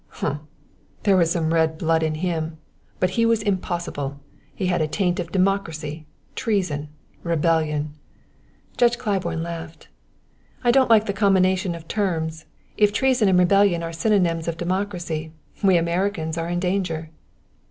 "Humph! There was some red blood in him; but he was impossible; he had a taint of democracy, treason, rebellion." Judge Claiborne laughed. "I don't like the combination of terms. If treason and rebellion are synonyms of democracy, we Americans are in danger."